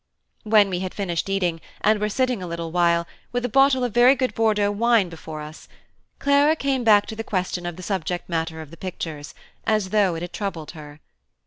When we had done eating, and were sitting a little while, with a bottle of very good Bordeaux wine before us, Clara came back to the question of the subject matter of the pictures, as though it had troubled her.